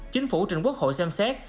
chính phủ trên quốc hội xem xét